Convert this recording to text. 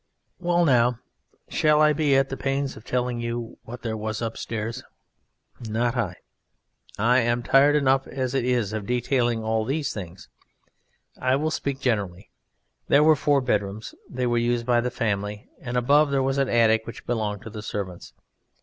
Well, now, shall I be at the pains of telling you what there was upstairs? Not I! I am tired enough as it is of detailing all these things. I will speak generally. There were four bedrooms. They were used by the family, and above there was an attic which belonged to the servants.